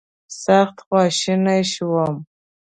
سخت خواشینی شوم.